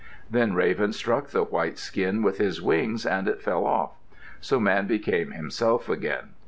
Then Raven struck the white skin with his wings and it fell off. So Man became himself again.